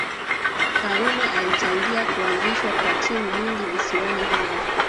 Karume alichangia kuazishwa kwa timu nyingi visiwani humo